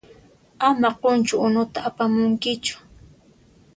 Ama qunchu unuta apamunkichu.